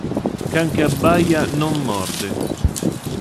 Can che abbaia non morde.